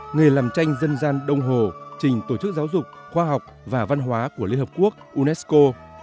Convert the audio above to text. nghề làm tranh dân gian đông hồ trình tổ chức giáo dục khoa học và văn hóa của liên hợp quốc unesco